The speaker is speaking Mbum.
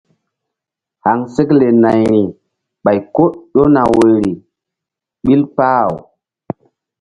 Haŋsekle nayri ɓay ko ƴona woyri ké ɓil kpah-aw.